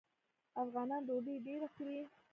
افغانان ډوډۍ ډیره خوري.